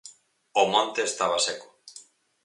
O monte estaba seco.